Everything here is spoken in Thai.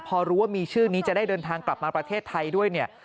พอรู้ว่ามีชื่อนี้จะได้เดินทางกลับมาประเทศไทยด้วยเนี่ย